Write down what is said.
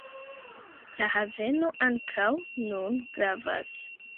La haveno ankaŭ nun gravas.